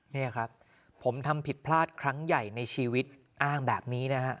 นี่ครับผมทำผิดพลาดครั้งใหญ่ในชีวิตอ้างแบบนี้นะฮะ